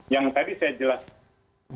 yang tadi saya jelaskan